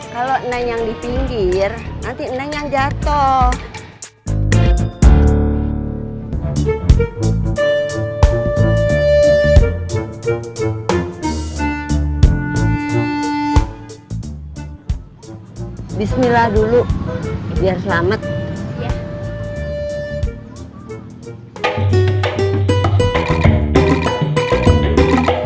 kalau nenek yang di pinggir nanti nenek yang jatuh